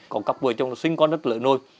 còn các vợ chồng sinh con rất lợi nôi